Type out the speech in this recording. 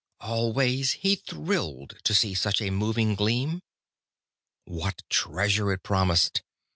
Always he thrilled to see such a moving gleam. What treasure it promised!